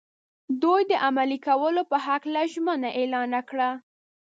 دوی د عملي کولو په هکله ژمنه اعلان کړه.